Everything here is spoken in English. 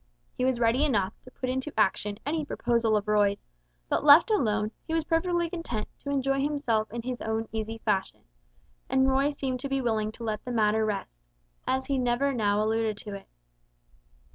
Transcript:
He was ready enough to put into action any proposal of Roy's, but left alone he was perfectly content to enjoy himself in his own easy fashion; and Roy seemed to be willing to let the matter rest, as he never now alluded to it.